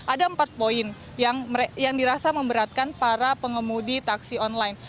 ada empat poin yang dirasa memberatkan para pengemudi taksi online